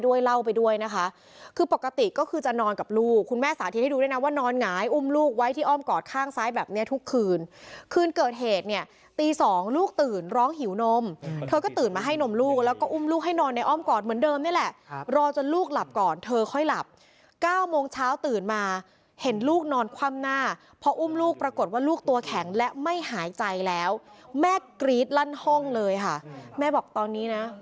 ด้วยนะคะคือปกติก็คือจะนอนกับลูกคุณแม่สาธิตให้ดูได้นะว่านอนหงายอุ้มลูกไว้ที่อ้อมกอดข้างซ้ายแบบนี้ทุกคืนคืนเกิดเหตุเนี่ยตี๒ลูกตื่นร้องหิวนมเธอก็ตื่นมาให้นมลูกแล้วก็อุ้มลูกให้นอนในอ้อมกอดเหมือนเดิมนี่แหละรอจนลูกหลับก่อนเธอค่อยหลับ๙โมงเช้าตื่นมาเห็นลูกนอนคว่ำหน